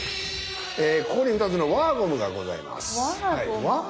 ここに２つの輪ゴムがございます。